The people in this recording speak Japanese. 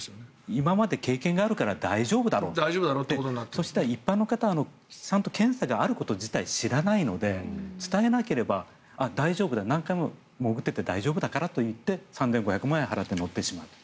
今まで経験があるから大丈夫だろうって一般の方は検査があること自体知らないので大丈夫だ、何回も潜っていたから大丈夫だと３５００万円払って乗ってしまうと。